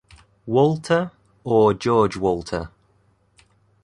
Walter' or 'George Walter'.